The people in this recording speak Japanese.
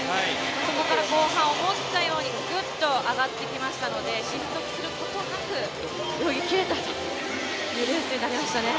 そこから後半、思ったようにぐぐっと上がってきましたので失速することなく泳ぎきれたというレースになりましたね。